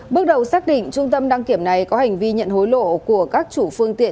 bước đầu xác định trung tâm đăng kiểm này có hành vi nhận hối lộ của các chủ phương tiện